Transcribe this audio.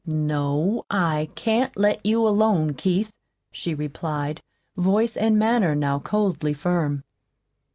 "No, I can't let you alone, Keith," she replied, voice and manner now coldly firm.